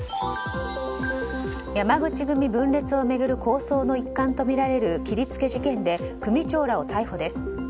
山口組分裂を巡る抗争の一環とみられる切りつけ事件で組長らを逮捕です。